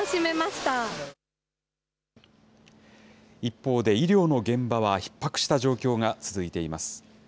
一方で、医療の現場はひっ迫した状況が続いています。